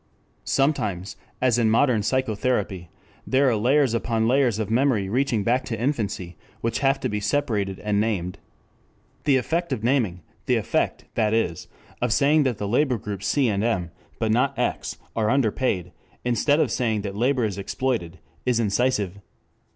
Sometimes, as in modern psychotherapy, there are layers upon layers of memory reaching back to infancy, which have to be separated and named. The effect of naming, the effect, that is, of saying that the labor groups C and M, but not X, are underpaid, instead of saying that Labor is Exploited, is incisive.